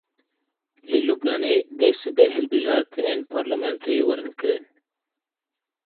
Li Lubnanê dê sibê hilbijartinên parlamentoyê werin kirin.